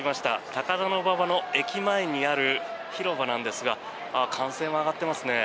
高田馬場の駅前にある広場なんですが歓声も上がってますね。